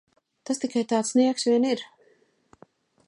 Tas tikai tāds nieks vien ir!